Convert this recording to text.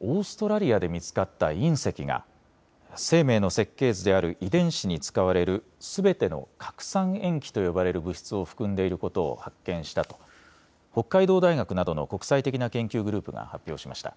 オーストラリアで見つかった隕石が生命の設計図である遺伝子に使われるすべての核酸塩基と呼ばれる物質を含んでいることを発見したと北海道大学などの国際的な研究グループが発表しました。